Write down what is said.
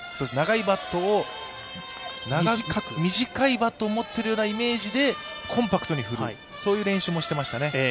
長いバットを短いバットを持っているようなイメージでコンパクトに振るという練習もしていましたね。